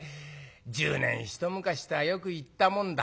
十年一昔とはよく言ったもんだ。